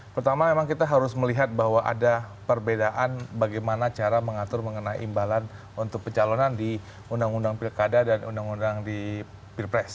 pertama memang kita harus melihat bahwa ada perbedaan bagaimana cara mengatur mengenai imbalan untuk pencalonan di undang undang pilkada dan undang undang di pilpres